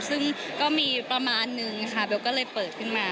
ซึ่งก็มีประมาณนึงค่ะเบลก็เลยเปิดขึ้นมา